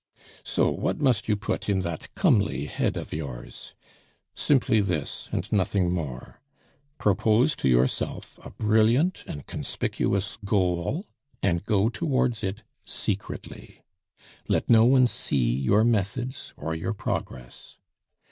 "So what must you put in that comely head of yours? Simply this and nothing more propose to yourself a brilliant and conspicuous goal, and go towards it secretly; let no one see your methods or your progress.